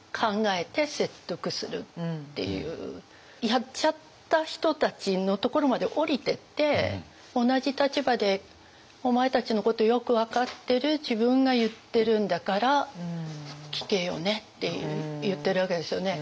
やっちゃった人たちのところまで下りてって「同じ立場でお前たちのことよく分かってる自分が言ってるんだから聞けよね」って言ってるわけですよね。